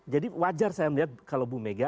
jadi wajar saya melihat kalau bu mega